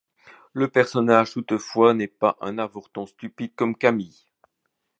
Le personnage toutefois n’est pas un avorton stupide comme Camille.